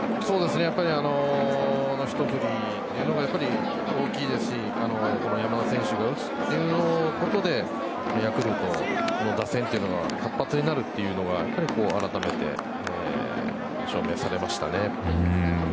やっぱりあの一振りというのが大きいですし山田選手が打つということでヤクルトの打線というのが活発になるというのがあらためて証明されましたね。